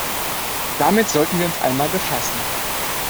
Damit sollten wir uns einmal befassen.